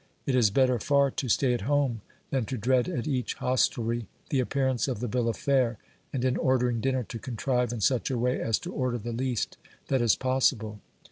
It is better far to stay at home than to dread at each hostelry the appearance of the bill of fare, and in ordering dinner to contrive in such a way as to order the least that is possible.